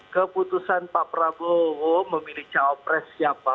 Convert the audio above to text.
keputusan pak prabowo memilih cawapres siapa